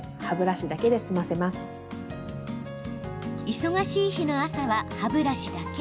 忙しい日の朝は歯ブラシだけ。